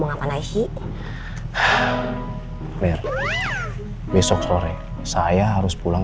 sekarang mau najbardziej di luar